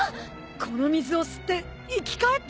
この水を吸って生き返った！？